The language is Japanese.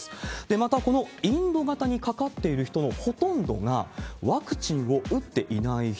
また、このインド型にかかっている人のほとんどがワクチンを打っていない人。